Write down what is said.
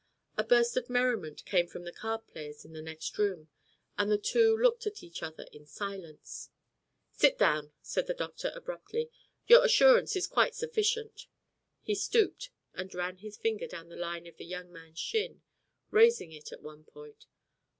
A burst of merriment came from the card players in the next room, and the two looked at each other in silence. "Sit down," said the doctor abruptly, "your assurance is quite sufficient." He stooped and ran his finger down the line of the young man's shin, raising it at one point.